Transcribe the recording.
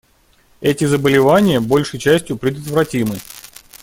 Эти заболевания большей частью предотвратимы.